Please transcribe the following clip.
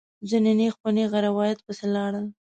ځینې نېغ په نېغه روایت پسې لاړل.